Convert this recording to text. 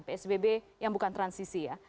psbb yang bukan transisi ya